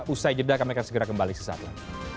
usai jeda kami akan segera kembali sesaat lagi